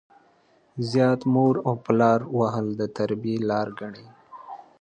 زيات مور او پلار وهل د تربيې لار ګڼي.